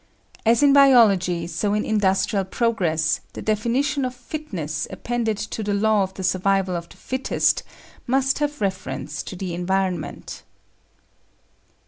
As in biology, so in industrial progress the definition of fitness appended to the law of the survival of the fittest must have reference to the environment.